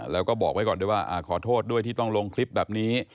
แล้วก็บอกไว้ก่อนด้วยว่าขอโทษด้วยที่ต้องลงคลิปแบบนี้